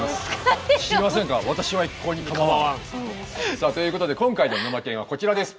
さあということで今回の「ぬまけん！」はこちらです。